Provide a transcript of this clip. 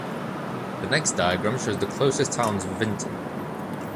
The next diagram shows the closest towns to Vinton.